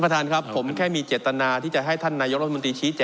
ท่านประธานครับ